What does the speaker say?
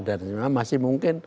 dan masih mungkin